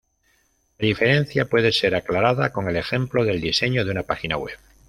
La diferencia puede ser aclarada con el ejemplo del diseño de una página web.